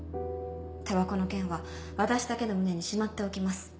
タバコの件は私だけの胸にしまっておきます。